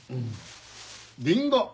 リンゴ！